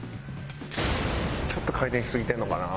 ちょっと回転しすぎてんのかな？